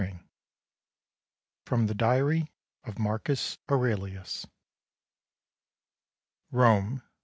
VI FROM THE DIARY OF MARCUS AURELIUS _Rome.